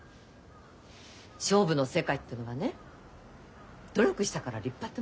勝負の世界ってのはね努力したから立派ってもんじゃないのよ。